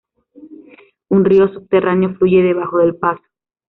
Un río subterráneo fluye debajo del paso.